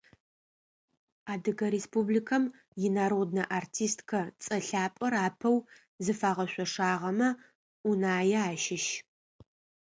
Адыгэ Республикэм инароднэ артисткэ цӀэ лъапӀэр апэу зыфагъэшъошагъэмэ Унае ащыщ.